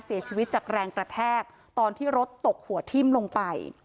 เสียชีวิตจากแรงกระแทกตอนที่รถตกหัวทิ้มลงไป